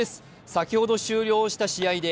先ほど終了した試合で